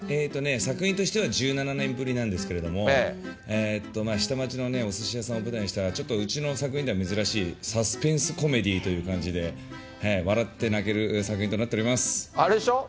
作品としては１７年ぶりなんですけれども、下町のおすし屋さんを舞台にしたちょっと、うちの作品では珍しい、サスペンスコメディーという感じで、笑って泣ける作品となっております。